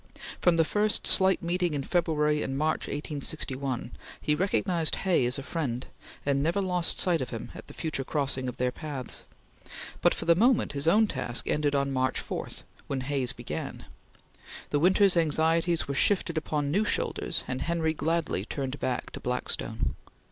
From the first slight meeting in February and March, 1861, he recognized Hay as a friend, and never lost sight of him at the future crossing of their paths; but, for the moment, his own task ended on March 4 when Hay's began. The winter's anxieties were shifted upon new shoulders, and Henry gladly turned back to Blackstone.